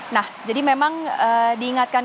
nah jadi memang diingatkan